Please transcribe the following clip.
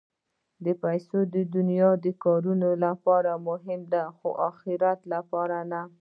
پېسې د دنیا د کارونو لپاره مهمې دي، خو د اخرت لپاره نه.